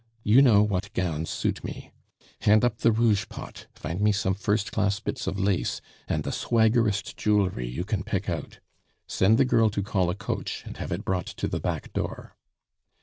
You know what gowns suit me. Hand up the rouge pot, find me some first class bits of lace, and the swaggerest jewelry you can pick out. Send the girl to call a coach, and have it brought to the back door."